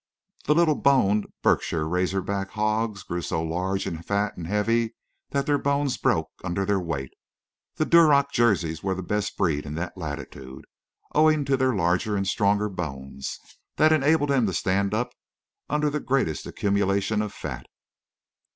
The little boned Berkshire razorback hogs grew so large and fat and heavy that their bones broke under their weight. The Duroc jerseys were the best breed in that latitude, owing to their larger and stronger bones, that enabled them to stand up under the greatest accumulation of fat.